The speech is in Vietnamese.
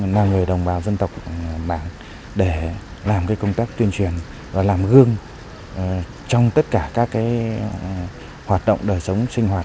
là người đồng bào dân tộc mạng để làm công tác tuyên truyền và làm gương trong tất cả các hoạt động đời sống sinh hoạt